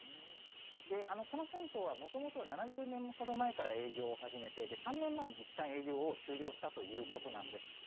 この銭湯はもともと７０年ほど前から営業を始めて、３年前にいったん営業を終了したということなんです。